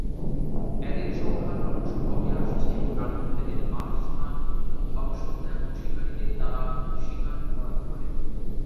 এদের সংখ্যা ক্রমশ কমে আসছে কারণ এদের বাসস্থান ধ্বংস এবং শিকারীদের দ্বারা শিকার হওয়ার ফলে।